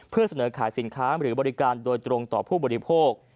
เพื่อเสนอขายสินค้าหรือบริการโดยตรงต่อผู้บริโภค